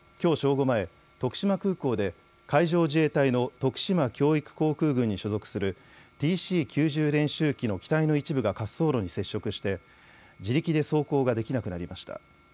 午前、徳島空港で海上自衛隊の徳島教育航空群に所属するＴＣ９０練習機の機体の一部が滑走路に接触して自力で走行ができなくなりました。